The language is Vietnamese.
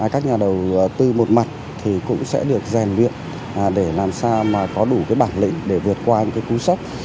các nhà đầu tư một mặt cũng sẽ được rèn luyện để làm sao có đủ bảng lĩnh để vượt qua những cú sốc